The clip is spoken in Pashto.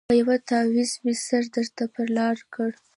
په یوه تعویذ مي سم درته پر لار کړ